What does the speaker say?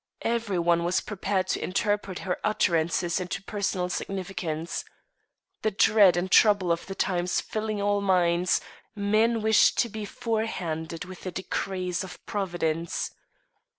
Every one was prepared to interpret her utterances into personal significance. The dread and trouble of the times filling all minds, men wished to be forehanded with the decrees of Providence.